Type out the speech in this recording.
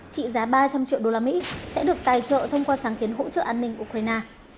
trị giá ba trăm linh triệu đô la mỹ sẽ được tài trợ thông qua sáng kiến hỗ trợ an ninh của ukraine